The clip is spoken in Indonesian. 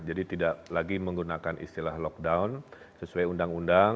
jadi tidak lagi menggunakan istilah lockdown sesuai undang undang